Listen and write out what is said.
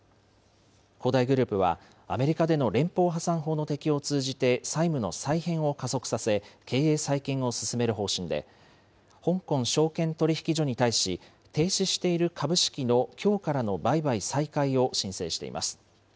恒大グループは、アメリカでの連邦破産法の適用を通じて債務の再編を加速させ、経営再建を進める方針で、香港証券取引所に対し、停止している株式のきょうからの売買再開を申請しています。